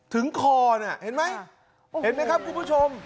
ถึงคอน่ะเห็นไหมเห็นไหมครับคุณผู้ชม